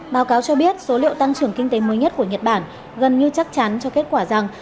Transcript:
báo cáo cho biết số liệu tăng trưởng kinh tế mới nhất của nhật bản gần như chắc chắn cho kết quả rằng